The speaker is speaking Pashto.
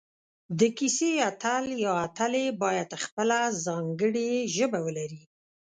د کیسې اتل یا اتلې باید خپله ځانګړي ژبه ولري